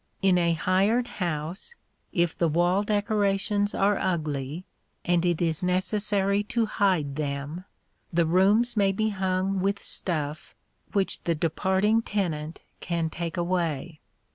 In a hired house, if the wall decorations are ugly, and it is necessary to hide them, the rooms may be hung with stuff which the departing tenant can take away.